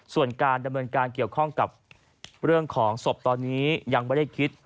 ส่วนการดำเนินการเกี่ยวข้องกับเรื่องของศพตอนนี้ยังไม่ได้คิด